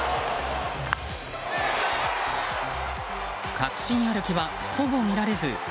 確信歩きは、ほぼ見られず。